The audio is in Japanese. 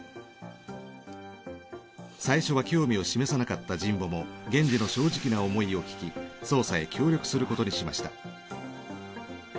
最初は興味を示さなかった神保も源次の正直な想いを聞き捜査へ協力することにしました。